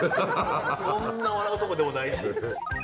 そんな笑うとこでもないし。